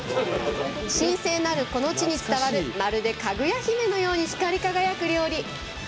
神聖なるこの地に伝わるまるで、かぐや姫のように光り輝く料理。